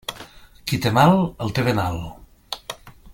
Qui té mal, el té venal.